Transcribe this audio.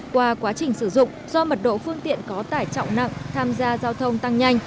qua quá trình sử dụng do mật độ phương tiện có tải trọng nặng tham gia giao thông tăng nhanh